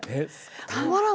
たまらん。